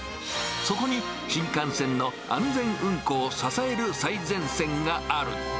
そこに新幹線の安全運行を支える最前線がある。